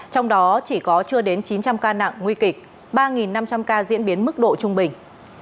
trong đó chỉ có chưa đến chín trăm linh ca nặng nguy kịch ba năm trăm linh ca diễn biến mức độ trung bình